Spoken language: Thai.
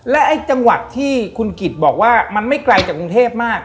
และไอ้จังหวัดที่คุณกิจบอกว่ามันไม่ไกลจากกรุงเทพมาก